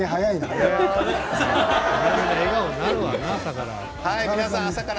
それは笑顔になるわな朝から。